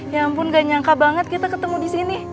ya ampun gak nyangka banget kita ketemu disini